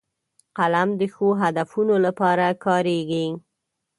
قلم د ښو هدفونو لپاره کارېږي